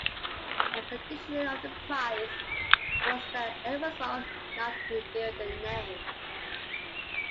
A condition of the prize was that Ebersol not reveal the name.